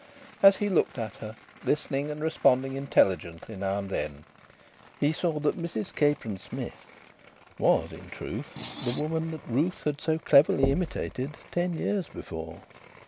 As he looked at her, listening and responding intelligently now and then, he saw that Mrs Capron Smith was in truth the woman that Ruth had so cleverly imitated ten years before.